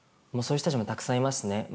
そういう人たちもたくさんいますね。